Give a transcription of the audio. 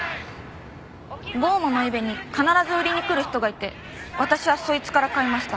『降魔』のイベに必ず売りに来る人がいて私はそいつから買いました。